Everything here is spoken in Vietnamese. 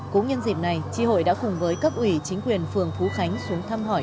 cũng nhân dịp này tri hội đã cùng với cấp ủy chính quyền phường phú khánh xuống thăm hỏi